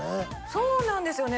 そうなんですよね。